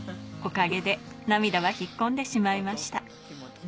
おかげで涙は引っ込んでしまいました。